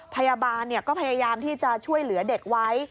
พยาบาลก็พยายามที่จะช่วยเหลือเด็กไว้